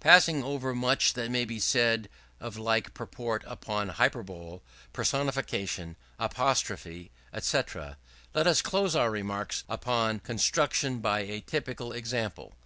Passing over much that may be said of like purport upon Hyperbole, Personification, Apostrophe, &c., let us close our remarks upon construction by a typical example.